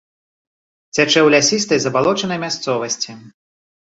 Цячэ ў лясістай забалочанай мясцовасці.